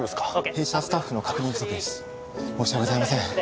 弊社スタッフの確認不足です申し訳ございません